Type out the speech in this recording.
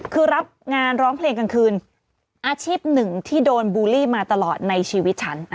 คือรับงานร้องเพลงกลางคืนอาชีพหนึ่งที่โดนบูลลี่มาตลอดในชีวิตฉัน